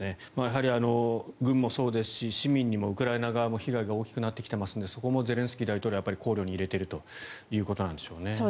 やはり軍もそうですし市民にもウクライナ側も被害が大きくなってきていますのでそこもゼレンスキー大統領は考慮に入れているということなんでしょうね。